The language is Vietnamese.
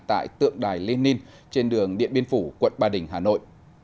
tại tượng đài lenin trên đường điện biên phủ quận ba đình hà nội